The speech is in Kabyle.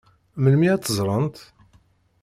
Melmi ad tt-ẓṛent?